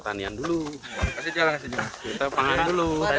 tanggapan dari ridwan kamil pak